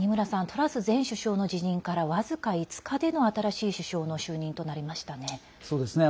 トラス前首相の辞任から僅か５日での新しい首相の就任となりましたね。